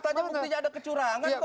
memang faktanya ada kecurangan kok